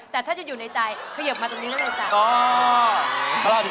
แต่ถ้าจะอยู่ในใจเขยิบมาตรงนี้แล้วเลยจ้ะ